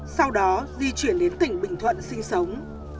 sau đó di chuyển đến tỉnh bình thuận sinh sống